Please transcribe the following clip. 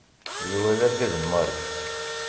Yuba d argaz n Mary.